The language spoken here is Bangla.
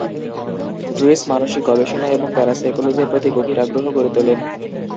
ড্রিস মানসিক গবেষণা এবং প্যারাসাইকোলজির প্রতি গভীর আগ্রহ গড়ে তোলেন।